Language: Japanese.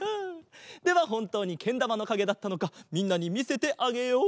ではほんとうにけんだまのかげだったのかみんなにみせてあげよう。